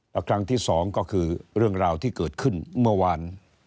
และครั้งที่สองก็คือเรื่องราวที่เกิดขึ้นเมื่อวาน